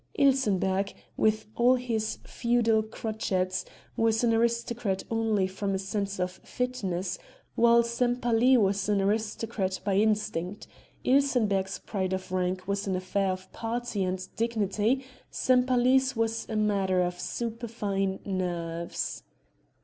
Ilsenbergh, with all his feudal crotchets, was an aristocrat only from a sense of fitness while Sempaly was an aristocrat by instinct; Ilsenbergh's pride of rank was an affair of party and dignity, Sempaly's was a matter of superfine nerves.